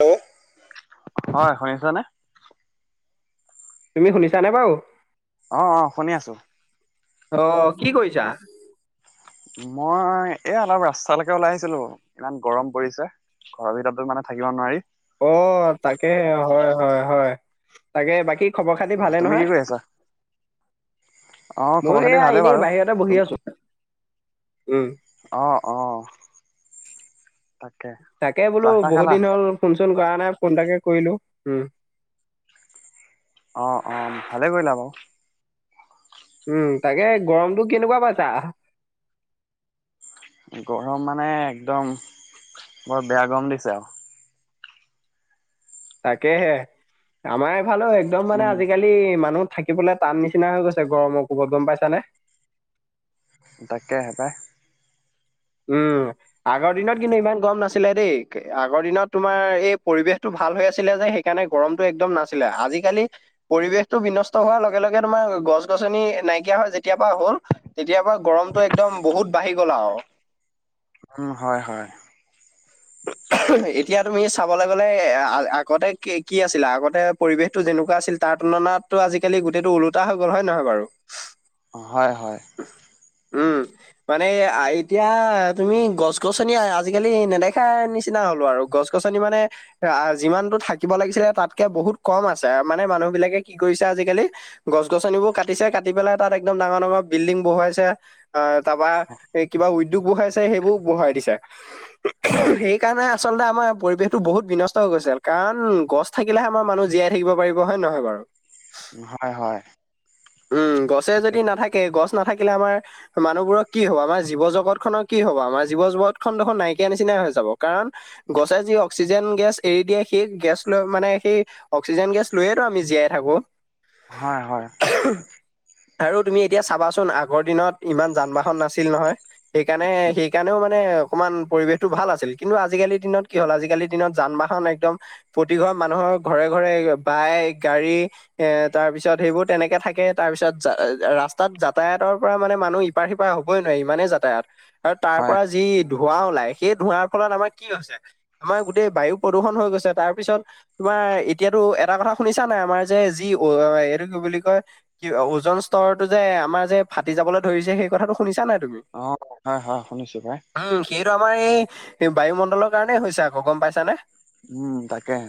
Hello. হয়, শুনি আছ নে? তুমি শুনিছানে বাৰু অ', -অ' শুনি আছো। অ' কি কৰিছা। মই এ অলপ ৰাস্তালৈকে ওলাই আহিছিলো, ইমান গৰম পৰিছে। ঘৰৰ ভিতৰততো মানে থাকিব নোৱাৰি। অ' তাকে হয়-হয়-হয়, তাকে বাকী খবৰ খাতি অ ভালে তুমি কি নহয়। কৰি আছা? অ মই খবৰ খাতি এয়া এনেই বাহিৰতে বহি আছো। উম। অহ-অহ। তাকে বোলো বহুত দিন হ'ল ফোন-চোন কৰা নাই, ফোন তাকে কৰিলো। উম'। অ', -অ' ভালে কৰিলা বাৰু। উম' তাকে গৰমটো কেনেকুৱা পাইছা। গৰম মানে একদম বৰ বেয়া গৰম দিছে আৰু তাকেহে আমাৰে ফালে একদম মানে উম আজিকালি মানুহ থাকিবলৈ টান নিচিনা হৈ গৈছে, গৰমৰ কোবত গম পাইছানে? তাকে হ'ব। উম'। আগৰ দিনত কিন্তু ইমান গম নাছিলে দেই, আগৰ দিনত তোমাৰ এই পৰিৱেশতটো ভাল হৈ আছিলে যে। সেইকাৰণে গৰমতটো একদম নাছিলে, আজিকালি পৰিৱেশতটো বিনষ্ট হোৱাৰ লগে লগে তোমাৰ গছ- গছনি নাইকিয়া হয় যেতিয়া পৰা হ'ল, তেতিয়াৰ পৰা গৰমতটো একদম বহুত বাঢ়ি গ'ল আৰু উম, হয়-হয়। এতিয়া তুমি চাবলৈ গ'লে এ আগতে কি, কি আছিলে আগতে পৰিৱেশতটো যেনেকুৱা আছিল তাৰ তুলনাতো আজিকালি গোটেইটো ওলোটা হৈ গ'ল হয়, নহয় বাৰু? হয়-হয়। উম, মানে এতিয়া তুমি গছ-গছনি, আজিকালি নেদেখা নিচিনা হ'লো আৰু গছ গছনি মানে অ' যিমানতো থাকিব লাগিছিলে তাতকে বহুত কম আছে। মানে মানুহ বিলাকে কি কৰিছে আজিকালি গছ-গছনিবোৰ কাটিছে কাটি পেলাই তাত একদম ডাঙৰ ডাঙৰ বিল্ডিং বহুৱাইছে আহ তাৰাপা এ কিবা উদ্যোগ বহুৱাইছে সেইবোৰ বহাই দিছে। হয় সেইকাৰণে আচলতে আমাৰ পৰিৱেশতো বহুত বিনষ্ট হৈ গৈছিল। কাৰণ গছ থাকিলেহে আমাৰ মানুহ জীয়াই থাকিব পাৰিব হয় নে নহয় বাৰু হয়-হয়। উম গছে যদি নাথাকে গছ নাথাকিলে আমাৰ মানুহবোৰৰ কি হব আমাৰ জীৱ জগত খনৰ কি হব আমাৰ জীৱ জগতখনন দেখোন নাইকিয়া নিচিননা হৈ যাব কাৰণ গছে যি অক্সিজেন অ্সিজেন গেছ এৰি দিয়ে সেই গেছ লৈ মানে সেই অক্সিজেন গেছ লৈয়েটো আমি জীয়াই থাকো হয় হয় আৰু তুমি এতিয়া চাবাচোন আগৰ দিনত ইমান যান বাহন নাছিল নহয় সেইকাৰণে সেইকাৰণেও ম অকমান পৰিবেশতটো ভাল আছিল কিন্তু আজিকালি দিনত কি হ'ল আজিকালিৰ দিনত যান বাহন একদম প্ৰতিঘৰ মানুহৰ ঘৰে ঘৰে বাইক গাড়ী এ তাৰ পিছত সেইবোৰ তেনেকে থাকে তাৰ পিছত ৰাস্তাত যাতায়াতৰ পৰা মানে মানুহ ইপাৰ সিপাৰ হবই নোৱাৰে ইমানেই যাতায়াত আৰু তাৰ হয়। পৰা যি ধোঁৱা ওলাই সেই ধোঁৱাৰ ফলত আমাৰ কি হৈছে আমাৰ গোটেই বায়ু প্ৰদূষণ হৈ গৈছে তাৰ পিছত তোমাৰ আমাৰ এতিয়াতো এটা কথা শুনিছা নাই আমাৰ যে যি অ এইটো কি বুলি কয় কি ওজন স্তৰটো যে আমাৰ যে ফাটি যাবলৈ ধৰিছে সেই কথাটো শুনিছা নাই তুমি? অ হয় হয় শুনিছো ভাই এইটো আমাৰ এই বায়ুমণ্ডলৰ কাৰণেই হৈছে আকৌ গম পাইছাানে উম তাকে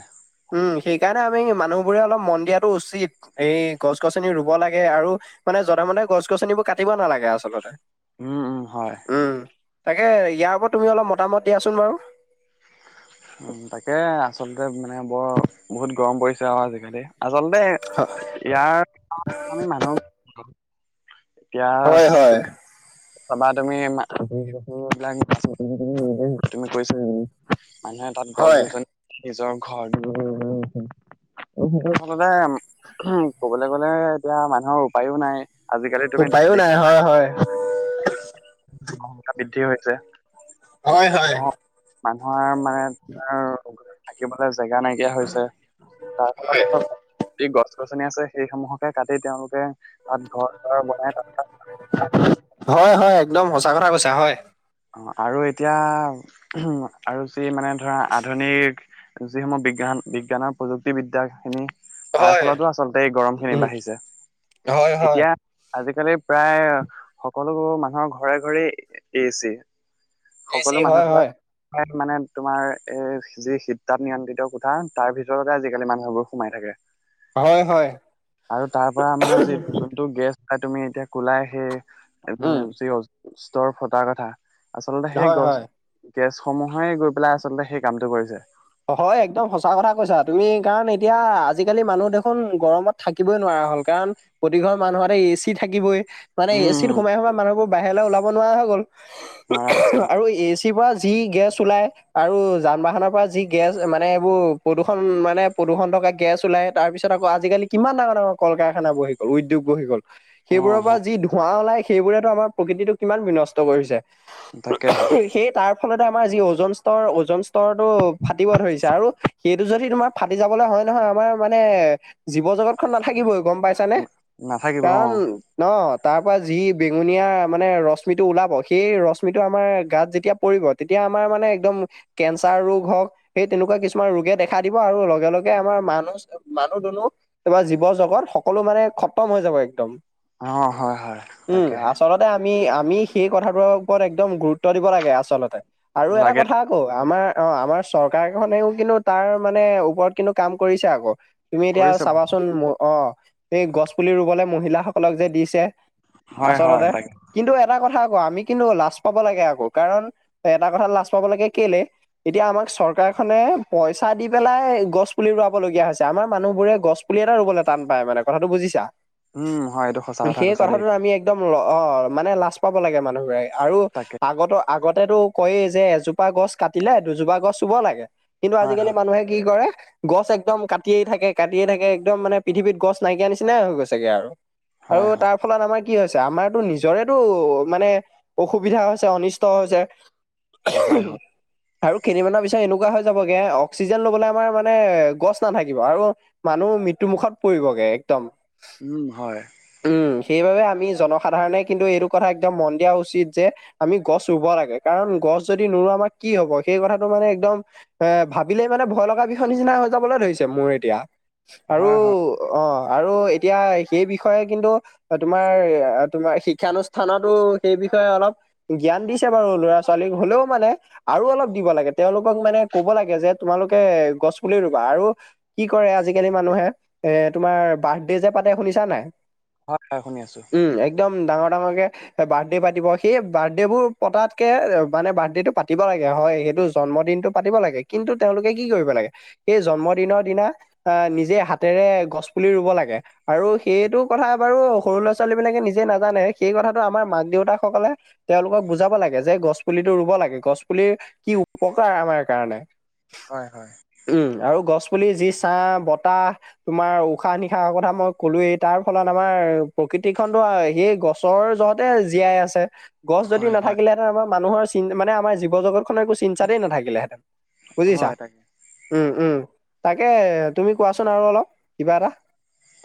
উম সেইকাৰণে আমি মানুহবোৰে অলপ মন দিয়াটো উচিত এই গছ গছনি ৰুব লাগে আৰু মানে যনে মনে গছ গছনিবোৰ কাটিব নালাগে আচলতে উম উম হয় উম। তাকে ইয়াৰ ওপৰত তুমি অলপ মতামত দিয়াচোন বাৰু উ তাকে আচলতে মানে বৰ বহুত গৰম পৰিছে আৰু আজিকালি আচলতে ইয়াৰ আমি মানুহ এতিয়া হয়, হয়, তুম পাবা তুমিাক তুমি কৈছ বুলি মানুহে তাত গছ হয়। গছনি নিজৰ ঘৰটো বলে উ ক'বলৈ গলে এতিয়া মানুহৰ উপায়ও নাই আজিকালি তুমি উপায়ো দেখি নাই হয় হয় মা বৃদ্ধি হৈছে হয় হয় মানুহৰ মানুহৰ মানে তোমাৰ থাকিবলৈ জেগা নাইকিয়া হৈছে তাৰ ফলত গছ গছনি আছে সেইসমূহকে কাটি তেওঁলোকে তাত ঘৰ বনাই তাত হয়, হয়, একদম সঁচা কথা কৈছা হয় অ আৰু এতিয়া উ আৰু যি মানে ধৰা আধুনিক যিসমূহ বিজ্ঞান বিজ্ঞানৰ প্ৰযুক্তিবিদ্যাখিনি তাৰ হয়। ফলতো আচলতে এই গৰম খিনি উম, বাঢ়িছে হয়, হয়। এতিয়া আজিকালি প্ৰায় সকলোবোৰ মানুহৰ ঘৰে ঘৰে এ চি এ সকলো চি হয়, মানুহবিলাক হয়। মানে তোমাৰ এই যি শীত তাত নিয়ন্ত্ৰিত কোঠা তাৰ ভিতৰতে আজিকালি মানুহবোৰ সোমাই থাকে হয়, হয়। আৰু তাৰ পৰা মানে যি যোনটো গেছ হয় তুমি এতিয়া কলাই সি উম, ি গষ্টৰ ফটাাৰ কথা আচলতে সেই হয়, গছ হয়। গেছসমূহে গৈ পেলাই আচলতে সেই কামটো কৰিছে হয় একদম সঁচা কথা কৈছা তুমি কাৰণ এতিয়া আজিকালি মানুহ দেখোন গৰমত থাকিবই নোৱা হ'ল কাৰণ প্ৰতি ঘৰৰ মানুহতে এ চি থাকিবই মানে এ চিত উম, সোমাই সোমাই মানুহোৰ বাহিৰলৈ ওলাব নোৱাৰা হৈ গ'ল মহাৰাষ্ট্ৰ তি পৰা যি গেছ ওলাই আৰু যান বাহনৰ পৰা যি গেছ মানে এইবোৰ প্ৰদূষণ মানে প্ৰদূষণ থকা গেছ ওলাই তাৰপিছত আকৌ আজিকালি কিমান ডাঙৰ ডাঙৰ ক ক কাৰখানা বহি গল উদ্যোগ বহি'ল অ, সেইবোৰৰ পৰা হয় যি ধোঁৱা ওলাই সেইবোৰেতো আমাৰ প্ৰকৃতিটো কিমান বিনষ্ট কৰিছে তাকেহে সেই তাৰ ফলতে আমাৰ যি ওজন স্তৰ ওজন স্তৰৰতটো এইটো যদি তোমাৰ ফাটি যাবলৈ হয় নহয় আমাৰ মানে জীৱ জগতখনন নাথাকিবই গম পাইছানে না- নাথাকিব অ, কাৰণ ন তাৰ পৰা যি বেঙুনীয়া মানে ৰশ্মিটো ওলাব সেই ৰশ্মিটো আমাৰ গাত যেতিয়া পৰিব তেতিয়া আমাৰ মানে একদম কেঞ্চাৰ ৰোগ হওক সেই তেনেকুৱা কিছুমান ৰোগে দেখা দিব আৰু লগে লগে আমাৰ মানুহ মানুহ দুনুহ তমাৰ জীৱ জগত সকলো মানে খতম হৈ যাব একদম অ হয় হয় উম, তাকেহে আচলতে আমি আমি সেই কথাটোৰ ওপৰত এক্দম গুৰুত্ব দিব লাগে আচলতে আৰু এটা লাগে কথা আকৌ আমাৰ অ আমাৰ চৰকাৰখনেও কিন্তু তাৰ মানে ওপৰত কিন্তু কাম কৰিছে আকৌ তুমি এতিয়া কৰিছে বাৰু। চাবাচোন অ এই গছ পুলি ৰুবলে মহিলাসকলক যে দিছে হয়, হয় আচলতে তাকে কিন্তু এটা কথা আমি কিন্তু লাজ পাব লাগে আকৌ কাৰণ এটা কথা লাজ পাব লাগে কেলে এতিয়া আমাক চৰকাৰখনে পইচা দি পেলাই গছ পুলি ৰুৱাব লগগীয়া হৈছে আমাৰ মানুহবোৰে গছ পুলি এটা ৰুবলৈ তাম বা উম, হয় এইটো সঁচা কথা সেই ক কৈছা দেই আমি একম অ মানে লাজ পাব লাগে মানুহবোৰে আৰু তাকে আগতো আগতেো কয়েই যে এজোপা গছ কাটিলে দুজোপা গছ চুব লাগে কিন্তু হয়, আজিকালি হয়, মানুহে কি কৰে গছ একদম কাটিয়েই থাকে কাটিয়েই থাকে একদম মানে পৃথিৱীত গছ নাইকিয়া নিচিননা হৈ গৈছেগে আৰু আৰু হয়, হয়, তাৰ ফলত আমাৰ কি হৈছে আমাৰো নিজৰেতটো মানে অসুবিধা হৈছে অনিষ্ট হৈছে হয়, হয়, আৰু কিনিবান এনেকুৱা হৈ যাবগে অক্সিজেন লবলে আমাৰ মানে গছ নাথাকিব আৰু মানুহ মৃত্যুমুখত পৰি কৰিবে একদম হয় উম, সেইবাবে আমি জনসাধাৰণে কিন্তু এইটো কথা একদম মন দিয়া উচিত যে আমি গছ ৰুব লাগে কাৰণ গছ যদি নোৰোৱা আমাক কি হ'ব সেই কথাটো মানে একদম এ ভাবিলেই মানে ভয় লগা বিষ নিচিনা হৈ যাবলৈ ধৰিছে মোৰ এতিয়া আৰু হয়, হয়, অ আৰু এতিয়া সেই বিষয়ে কিন্তু তোমাৰ তোমাৰ শিক্ষানুষ্ঠানতো সেই বি বিষয়ে অলপ জ্ঞান দিছে বাৰু ল'ৰা ছোৱালীক হ'লেও মানে আৰু অলপ দিব লাগে তেওঁলোকক মানে কব লাগে যে তোমালোকে গছ পুলি ৰুবা আৰু কি কৰে আজিকালি মানুহে এ তোমাৰ বাৰ্থডে যে পাতে শুনিছা নাই হয় হয় শুনি আছো ম ডাঙৰ ডাঙৰ কে বাৰ্থডে পাতিব সেই বাৰ্থডে বোৰ পতাতকে মানে বাৰ্থডেটো পাতিব লাগে আৰু হয় সেইটো জন্ম দিনটো পাতিব লাগে কিন্তু তেওঁলোকে কি কৰিব লাগে সেই জন্মদিনৰ দিনা নিজে হাতেৰে গছ পুলি ৰুব লাগে আৰু সেইটো কথা বাৰু সৰু ল'ৰা ছোৱালী বিলাকে নিজে নাজানে সেই কথা আমাৰ মাক দেউতা সকলে তেওঁলোকক বুজাব লাগে যে গছ পুলিটো ৰুব লাগে গছ পুলি কি উপকাৰ আমাৰ কাৰণে হয়, হয়, উম আৰু গছ প যি চাহ বতাহ তোমাৰ উশাহ নিশাহ কথা মই কলোৱেই তাৰ ফলত আমাৰ কৃতি খনো সেই গছৰ জহতে জীয়াই আছে গছ যদি হয়, হয়, নথাকিলেঁতে আমাৰ মানুহৰ চ মানে আমাৰ জীৱ জগতখনে চি চাতেই নাথাকিলেহেঁতেন বুজিছা হয় তাকে উম উম তাকে তুমি কোৱাচোন আৰু অলপ কিবা এটা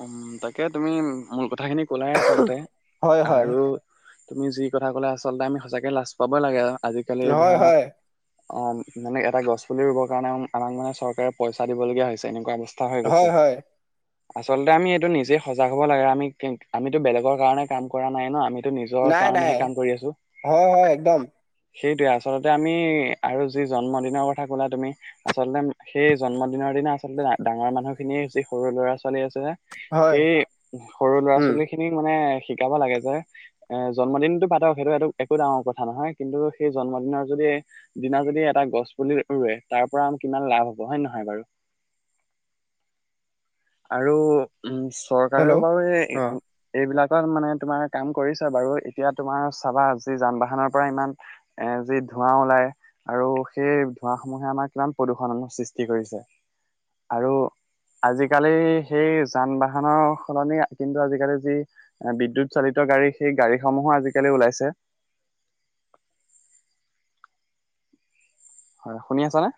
উম তাকে তুমি মূল কথা খিনি কলাই আচলতে হয় হয় আৰু তুমি যি কথা কলো আছ আচলতে আমি সঁচাকে লাজ পাব লাগে আৰু আজিকালি হয় ধৰা হয় অ', মানে এটা গছ পুলি ৰুবৰ কাৰণে আমাক মানে চৰকাৰে পইচা দিব লগগীয়া হৈছে, এনেকুৱা বস্ত হৈ গৈছে। হয় হয় আচলতে আমি এইটো নিজেই সজাগ হ'ব লাগে আমি আমিতো বেলেগৰ কাৰণে কাম কৰা নাই ন, আমিতো এইটো নিজৰ নাই কাৰণেহে নাই কাম কৰি আছো। হয় হয় একদম সেইটোৱে আচল্ততে আমি আৰু যি জন্মদিনৰ কথা কলা তুমি, আচলতে সেই জন্মদিনৰ দিনা আচলতে ডাঙৰ মানুহ খিনিয়ে সৰু ল'ৰা চলি আছে যে, হয় সেই সৰু ল'ৰা উম ছোৱালী খিনিক মানে শিকাব লাগে যে, এ জন্মদিনতটো পাতক সেইটো এইটো একো ডাঙৰ কথা নহয় কিন্তু সেই জন্মদিনৰ যদি দিনা যদি এটা গছ পুলি ৰুৱে, তাৰ পৰা আ কিমান লাভ হ'ব হয়ে নহয় বাৰু। আৰু উম, হেল্ল' চৰকাৰেও বাৰু অ এইবিলাক মানে তোমাৰ কাম কৰিছা বাৰু এতিয়া তোমাৰ চাবা যি যান বাহনৰ পৰা ইমান, এ যি ধোঁৱা ওলাই আৰু সেই ধোঁৱা সমূহে আমাৰ কিমান প্ৰদূৰ্ষণ সৃষ্টি কৰিছে। আৰু আজিকালি সেই যান বাহনৰ সলনি কিন্তু আজিকালি যি বিদ্যুত চালিত গাড়ী, সেই গাড়ীসমূহ আজি-কালি ওলাইছে হয় শুনি আছানে?